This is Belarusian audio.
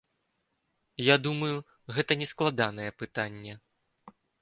Я думаю, гэта нескладанае пытанне.